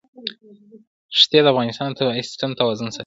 ښتې د افغانستان د طبعي سیسټم توازن ساتي.